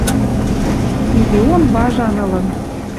Миллион важан ылын.